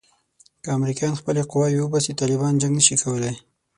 که امریکایان خپلې قواوې وباسي طالبان جنګ نه شي کولای.